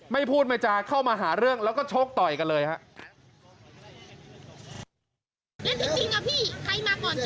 ไม่พูดไม่จาเข้ามาหาเรื่องแล้วก็โชคต่อยกันเลยครับ